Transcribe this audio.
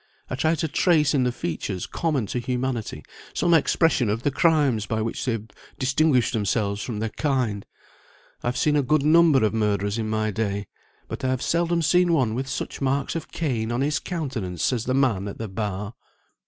I try to trace in the features common to humanity some expression of the crimes by which they have distinguished themselves from their kind. I have seen a good number of murderers in my day, but I have seldom seen one with such marks of Cain on his countenance as the man at the bar."